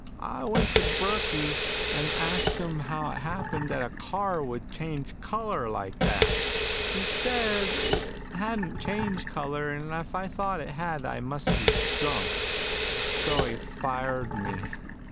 I went to Burkey and asked him how it happened that a car would change color like that. He said it hadn't changed color and if I thought it had I must be drunk. So he fired me.